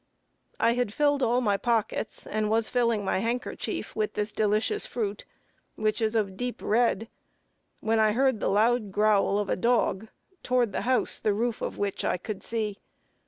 I had filled all my pockets, and was filling my handkerchief with this delicious fruit, which is of deep red, when I heard the loud growl of a dog toward the house, the roof of which I could see.